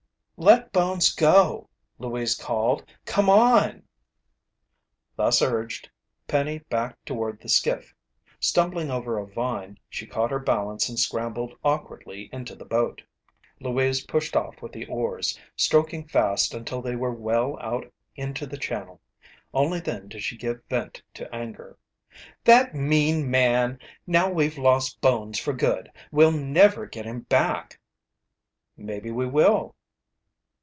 "Let Bones go," Louise called. "Come on." Thus urged, Penny backed toward the skiff. Stumbling over a vine, she caught her balance and scrambled awkwardly into the boat. Louise pushed off with the oars, stroking fast until they were well out into the channel. Only then did she give vent to anger. "That mean man! Now we've lost Bones for good. We'll never get him back." "Maybe we will."